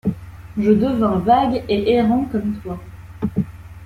Je devins vague et errant comme toi.